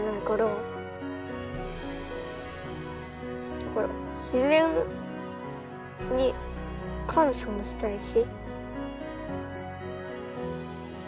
だから自然に感謝もしたいし。